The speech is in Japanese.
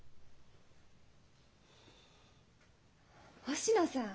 星野さん。